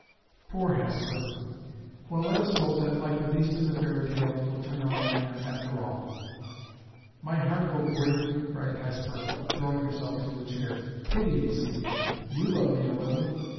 "Poor Hesper! Well! let us hope that, like the beast in the fairy tale, he will turn out a man after all." "My heart will break," cried Hesper, throwing herself into a chair. "Pity me, Sepia; you love me a little."